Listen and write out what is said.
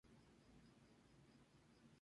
Pero durante el jolgorio, Piggy cae por la borda.